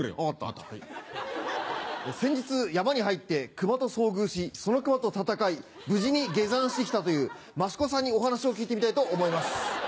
先日山に入って熊と遭遇しその熊と戦い無事に下山して来たという益子さんにお話を聞いてみたいと思います。